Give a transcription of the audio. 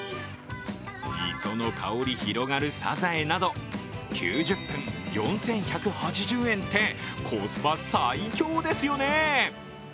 磯の香り広がるさざえなど、９０分４１８０円って、コスパ最強ですよね！